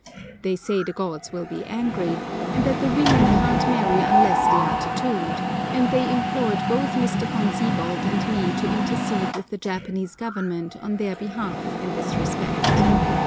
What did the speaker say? They say the gods will be angry, and that the women can't marry unless they are tattooed; and they implored both Mr. Von Siebold and me to intercede with the Japanese Government on their behalf in this respect.